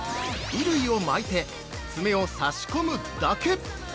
衣類を巻いてツメを差し込むだけ。